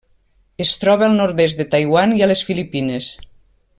Es troba al nord-est de Taiwan i a les Filipines.